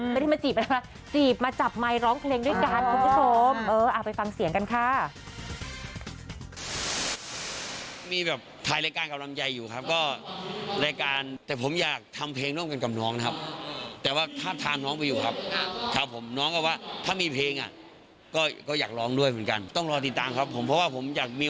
ไม่ได้มาจีบอะไรจีบมาจับไมค์ร้องเพลงด้วยกันคุณผู้ชม